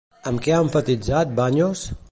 Amb què ha emfatitzat, Baños?